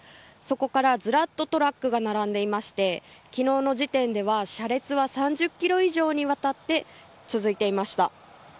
そこからずらっとトラックが並んでいまして昨日の時点では、車列は３０ｋｍ以上にわたって続いていました。